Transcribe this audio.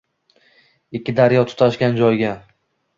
Ikki daryo tutashgan joyga